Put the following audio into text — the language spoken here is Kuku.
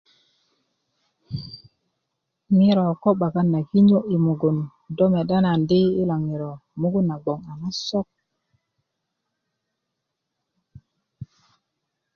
ŋiro ko 'bakan na kinyö i mugun do meda naŋ di mugun na bgoŋ na sok